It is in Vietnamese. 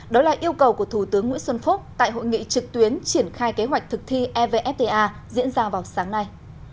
đó là yêu cầu của thủ tướng nguyễn xuân phúc tại hội nghị trực tuyến triển khai kế hoạch thực thi evfta diễn ra vào sáng nay